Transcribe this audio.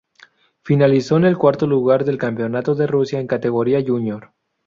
Finalizó en el cuarto lugar del Campeonato de Rusia en categoría júnior.